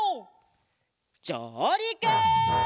じょうりく！